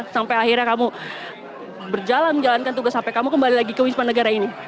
sampai akhirnya kamu berjalan menjalankan tugas sampai kamu kembali lagi ke wisma negara ini